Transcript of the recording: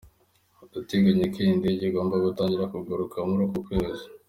Ndateganya ko iyi ndege igomba gutangira kuguruka muri uku kwezi.